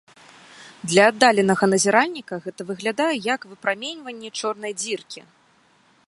Для аддаленага назіральніка гэта выглядае як выпраменьванне чорнай дзіркі.